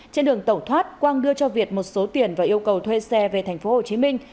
trên đường tẩu thoát quang đưa cho việt một số tiền và yêu cầu thuê xe về thành phố hồ chí minh